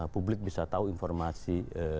publik bisa tahu informasi